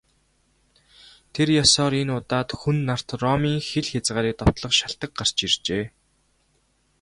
Тэр ёсоор энэ удаад Хүн нарт Ромын хил хязгаарыг довтлох шалтаг гарч иржээ.